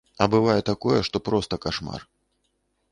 А бывае такое, што проста кашмар.